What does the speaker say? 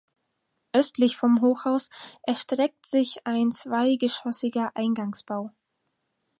Östlich vom Hochhaus erstreckt sich ein zweigeschossiger Eingangsbau.